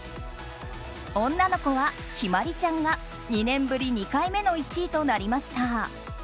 女の子は、陽葵ちゃんが２年ぶり２回目の１位となりました。